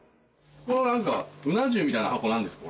このなんかうな重みたいな箱なんですか？